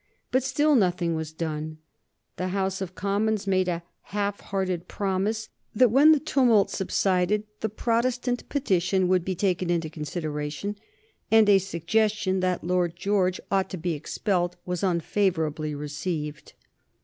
But still nothing was done. The House of Commons made a half hearted promise that when the tumult subsided the Protestant petition would be taken into consideration, and a suggestion that Lord George ought to be expelled was unfavorably received.